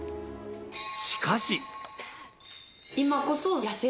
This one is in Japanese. しかし。